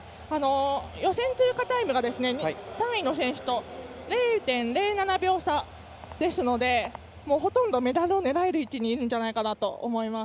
予選通過タイムが３位の選手と０．０７秒差ですのでほとんどメダルを狙える位置にいるんじゃないかなと思います。